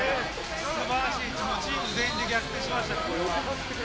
すばらしい、チーム全員で逆転しました。